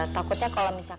takutnya kalau misalkan